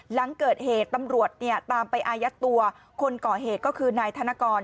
หลังเกิดเหตุตำรวจเนี่ยตามไปอายัดตัวคนก่อเหตุก็คือนายธนกร